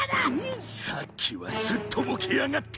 さっきはすっとぼけやがって！